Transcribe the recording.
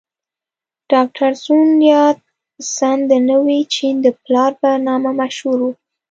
ډاکټر سون یات سن د نوي چین د پلار په نامه مشهور و.